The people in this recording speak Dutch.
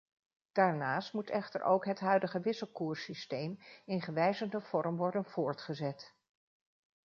Daarnaast moet echter ook het huidige wisselkoerssysteem in gewijzigde vorm worden voortgezet.